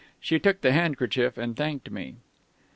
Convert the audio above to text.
She took the handkerchief and thanked me....